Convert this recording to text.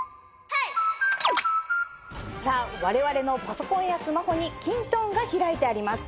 さぁ我々のパソコンやスマホにキントーンが開いてあります。